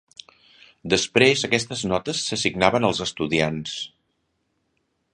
Després aquestes notes s'assignaven als estudiants.